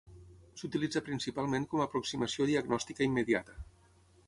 S'utilitza principalment com a aproximació diagnòstica immediata.